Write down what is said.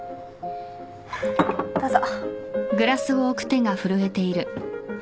どうぞ。